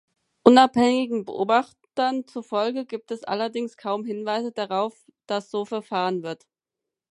Unabhängigen Beobachtern zufolge gibt es allerdings kaum Hinweise darauf, dass so verfahren wird.